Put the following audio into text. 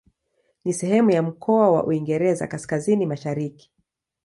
Ni sehemu ya mkoa wa Uingereza Kaskazini-Mashariki.